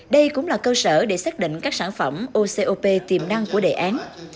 đây cũng là cơ sở để xác định các sản phẩm ocop tiềm năng của đề án